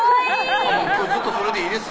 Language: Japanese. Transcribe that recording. ずっとそれでいいですよ